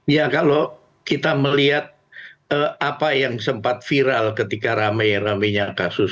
ya kalau kita melihat apa yang sempat viral ketika rame ramenya kasus